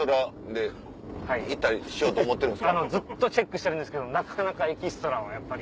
ずっとチェックしてるんですけどなかなかエキストラはやっぱり。